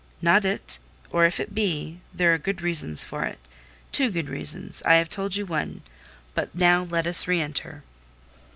"Not it: or if it be, there are good reasons for it—two good reasons: I have told you one. But now let us re enter."